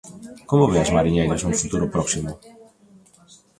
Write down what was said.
Como ve as mariñeiras nun futuro próximo?